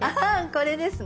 これですね。